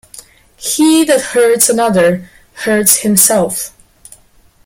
He that hurts another, hurts himself.